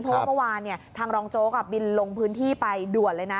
เพราะว่าเมื่อวานทางรองโจ๊กบินลงพื้นที่ไปด่วนเลยนะ